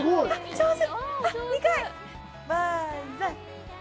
上手！